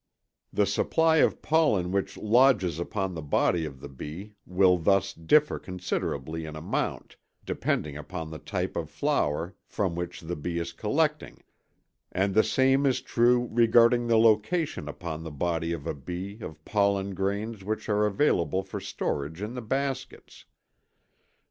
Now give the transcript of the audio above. The supply of pollen which lodges upon the body of the bee will thus differ considerably in amount, depending upon the type of flower from which the bee is collecting, and the same is true regarding the location upon the body of a bee of pollen grains which are available for storage in the baskets.